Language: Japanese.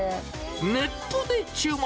ネットで注文。